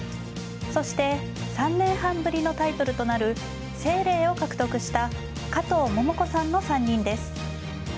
そして３年半ぶりのタイトルとなる清麗を獲得した加藤桃子さんの３人です。